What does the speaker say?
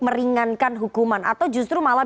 meringankan hukuman atau justru malah